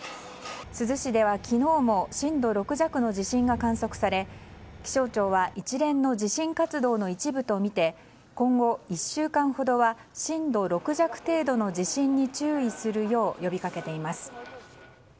珠洲市では昨日も震度６弱の地震が観測され気象庁は一連の地震活動の一部とみて今後１週間ほどは震度６弱程度の地震に注意するよう呼びかけています。